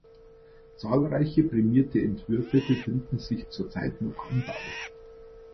Zahlreiche prämierte Entwürfe befinden sich zurzeit noch im Bau.